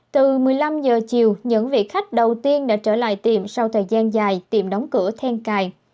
từ một mươi năm h chiều những vị khách đầu tiên đã trở lại tiệm sau thời gian dài tìm đóng cửa then cài